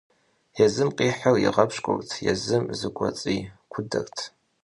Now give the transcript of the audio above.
Езым къихьыр игъэпщкӀурт, езым зыкӀуэцӀикудэрт.